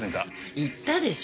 言ったでしょ？